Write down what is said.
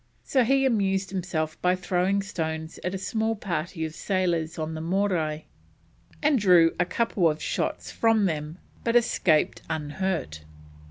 So he amused himself by throwing stones at a small party of sailors on the Morai, and drew a couple of shots from them, but escaped unhurt.